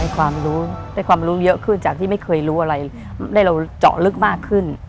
ความรู้ได้ความรู้เยอะขึ้นจากที่ไม่เคยรู้อะไรได้เราเจาะลึกมากขึ้น